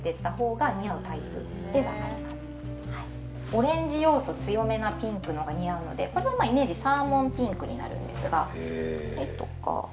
オレンジ要素強めなピンクのほうが似合うのでこれはイメージサーモンピンクになるんですが。